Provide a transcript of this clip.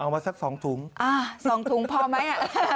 เอามาสักสองถุงสองถุงพอไหม